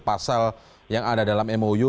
pasal yang ada dalam mou